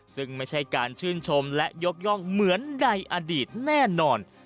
ซึ่งไม่ใช่การชื่นชมและยกย่องเหมือนในอดีตแน่นอน